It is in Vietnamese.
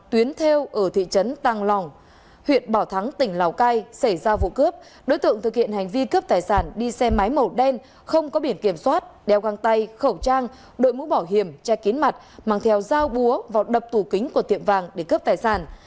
tuyến theo ở thị trấn tăng lòng huyện bảo thắng tỉnh lào cai xảy ra vụ cướp đối tượng thực hiện hành vi cướp tài sản đi xe máy màu đen không có biển kiểm soát đeo găng tay khẩu trang đội mũ bảo hiểm che kín mặt mang theo dao búa vào đập tủ kính của tiệm vàng để cướp tài sản